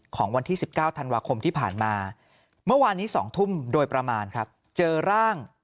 ของวันที่๑๙ธันวาคมที่ผ่านมาเมื่อวานนี้๒ทุ่มโดยประมาณครับเจอร่าง